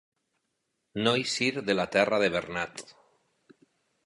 No eixir de la terra de Bernat.